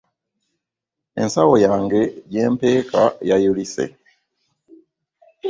Ensawo yange gye mpeeka yayulise.